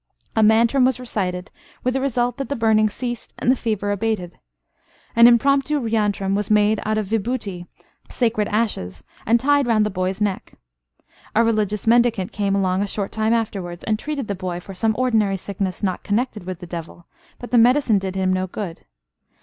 A mantram was recited, with the result that the burning ceased, and the fever abated. An impromptu yantram was made out of vibhuti (sacred ashes), and tied round the boy's neck. A religious mendicant came along a short time afterwards, and treated the boy for some ordinary sickness not connected with the devil, but the medicine did him no good.